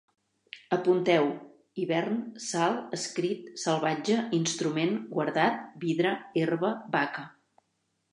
Apunteu: hivern, salt, escrit, salvatge, instrument, guardat, vidre, herba, vaca